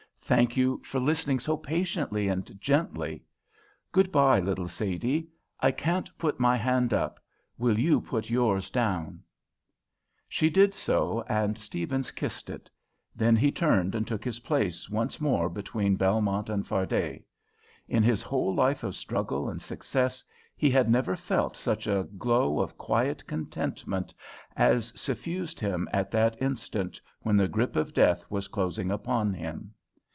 Thank you for listening so patiently and gently. Good bye, little Sadie! I can't put my hand up. Will you put yours down?" [Illustration: Good bye, little Sadie p229] She did so and Stephens kissed it. Then he turned and took his place once more between Belmont and Fardet. In his whole life of struggle and success he had never felt such a glow of quiet contentment as suffused him at that instant when the grip of death was closing upon him.